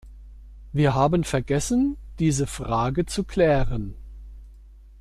Wir haben vergessen, diese Frage zu klären.